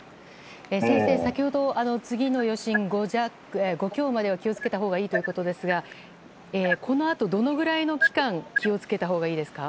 先生、先ほど次の余震５強までは気をつけたほうがいいということですがこのあとどのぐらいの期間気を付けたほうがいいですか。